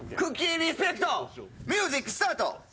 リスペクトミュージックスタート！